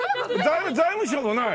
財務省もない？